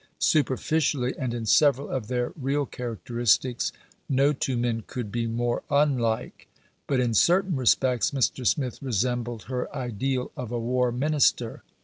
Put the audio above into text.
Superficially, and in several of their real characteristics, no two men could be more unlike; but in certain respects Mr. Smith resembled her ideal of a War Minister.